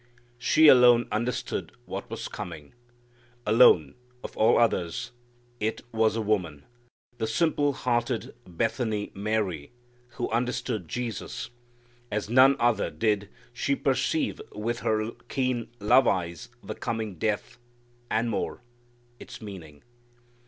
She alone understood what was coming. Alone of all others it was a woman, the simple hearted Bethany Mary, who understood Jesus. As none other did she perceive with her keen love eyes the coming death, and more its meaning.